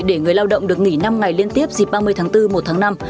để người lao động được nghỉ năm ngày liên tiếp dịp ba mươi tháng bốn một tháng năm